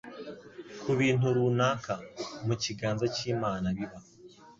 ku bintu runaka. Mu kiganza cy’Imana biba